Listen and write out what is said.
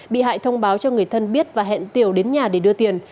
bị hại thông báo cho người thân biết và hẹn tiểu đến nhà để đưa tiền